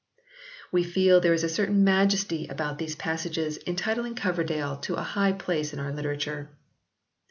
We feel there is a certain majesty about these passages entitling Coverdale to a high place in our literature.